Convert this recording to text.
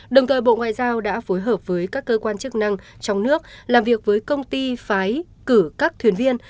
đồng thời bộ ngoại giao đã phối hợp với các cơ quan chức năng trong nước làm việc với công ty phái cử các thuyền viên